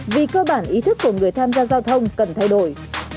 vì cơ bản ý thức của người tham gia giao thông cần thay đổi